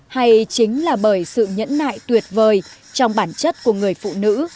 hay chính là bởi sự nhẫn nại tuyệt vời trong bản chất của người phụ nữ